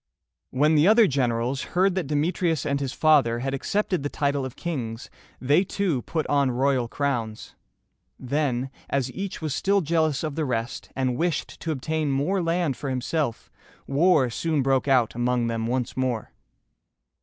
When the other generals heard that Demetrius and his father had accepted the title of kings, they too put on royal crowns. Then, as each was still jealous of the rest, and wished to obtain more land for himself, war soon broke out among them once more.